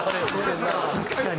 確かに。